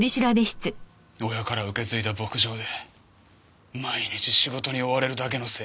親から受け継いだ牧場で毎日仕事に追われるだけの生活。